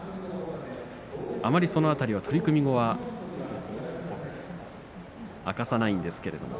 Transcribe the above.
あまりその辺りは取組後は明かさないんですけれども。